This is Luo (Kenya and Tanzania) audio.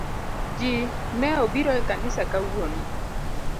Jii ne obiro e kanisa kawuono